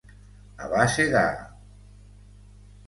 A base de.